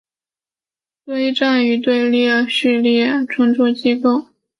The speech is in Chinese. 堆栈与队列的顺序存储结构